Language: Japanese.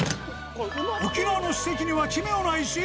沖縄の史跡には奇妙な石。